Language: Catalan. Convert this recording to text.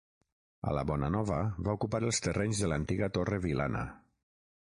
A la Bonanova va ocupar els terrenys de l'antiga Torre Vilana.